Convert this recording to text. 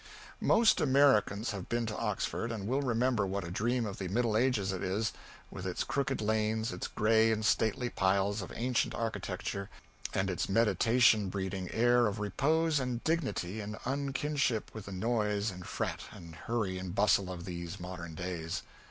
Most Americans have been to Oxford and will remember what a dream of the Middle Ages it is, with its crooked lanes, its gray and stately piles of ancient architecture and its meditation breeding air of repose and dignity and unkinship with the noise and fret and hurry and bustle of these modern days.